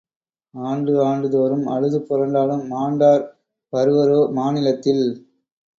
ஆண்டு ஆண்டு தோறும் அழுது புரண்டாலும் மாண்டார் வருவரோ மாநிலத்தில்.